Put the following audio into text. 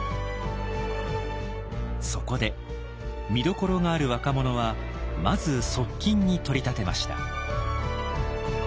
そこで見どころがある若者はまず側近に取り立てました。